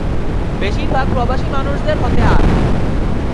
বেশিরভাগ প্রবাসী মানুষদের হতে আয়।